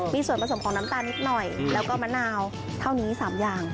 มีส่วนผสมของน้ำตาลนิดหน่อยแล้วก็มะนาวเท่านี้๓อย่าง